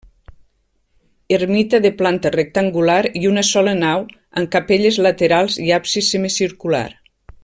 Ermita de planta rectangular i una sola nau amb capelles laterals i absis semicircular.